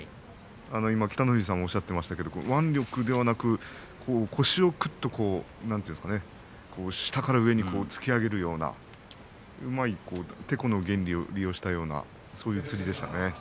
今、北の富士さんおっしゃっていましたけれども腕力ではなく腰をぐっと下から上に突き上げるようなうまい、てこの原理を利用したようなそういうつりでしたね。